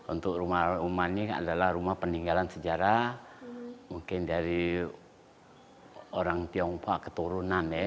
untuk rumah rumah ini adalah rumah peninggalan sejarah mungkin dari orang tionghoa keturunan ya